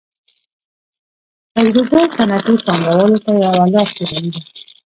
تجربو صنعتي پانګوالو ته یوه لار ښودلې ده